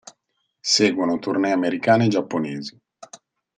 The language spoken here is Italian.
Seguono tournée americane e giapponesi.